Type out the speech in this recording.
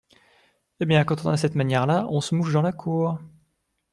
Eh bien, quand on a cette manière-là, on se mouche dans la cour.